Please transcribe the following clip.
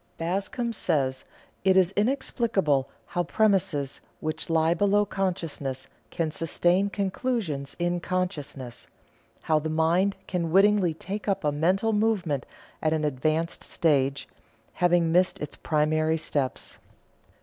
Bascom says: "It is inexplicable how premises which lie below consciousness can sustain conclusions in consciousness; how the mind can wittingly take up a mental movement at an advanced stage, having missed its primary steps."